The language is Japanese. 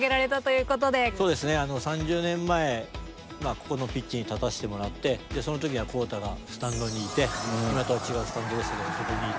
そうですね３０年前ここのピッチに立たせてもらってその時は宏太がスタンドにいて今とは違うスタンドでしたけどそこにいて。